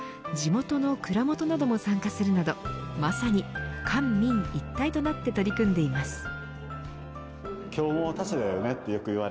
地元の蔵元なども参加するなどまさに官民一体となって取り組んでいます。